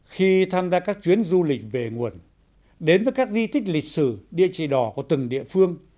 khi tham gia các chuyến du lịch về nguồn đến với các di tích lịch sử địa chỉ đỏ của từng địa phương